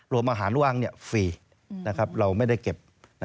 รวมอาหารว่างฟรีเราไม่ได้เก็บ